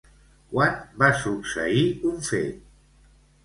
Quan va succeir un fet?